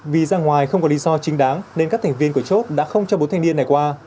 vì ra ngoài không có lý do chính đáng nên các thành viên của chốt đã không cho bốn thanh niên này qua